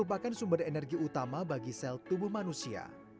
gula dan gula adalah sumber energi utama bagi sel tubuh manusia